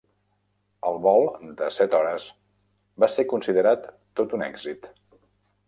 El vol de set hores va ser considerat tot un èxit.